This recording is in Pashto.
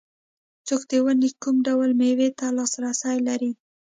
څوک د ونې کوم ډول مېوې ته لاسرسی لري.